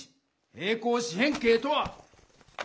平行四辺形とは。